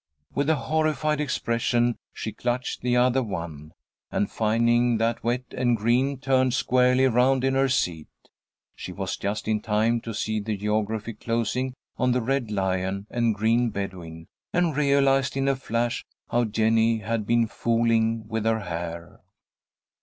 With a horrified expression she clutched the other one, and finding that wet and green, turned squarely around in her seat. She was just in time to see the geography closing on the red lion and green Bedouin, and realized in a flash how Jennie had been "fooling" with her hair.